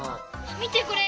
みてこれ！